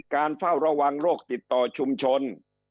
เฝ้าระวังโรคติดต่อชุมชน